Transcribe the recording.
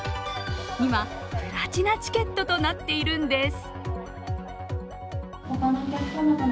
今、プラチナチケットとなっているんです。